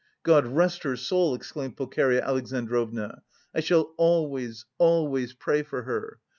"God rest her soul," exclaimed Pulcheria Alexandrovna. "I shall always, always pray for her!